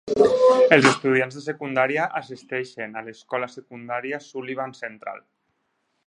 Els estudiants de secundària assisteixen a l'escola secundària Sullivan Central.